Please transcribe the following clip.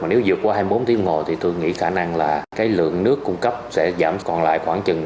nếu dược qua hai mươi bốn tiếng đồng hồ thì tôi nghĩ khả năng là cái lượng nước cung cấp sẽ giảm còn lại khoảng chừng bốn mươi năm mươi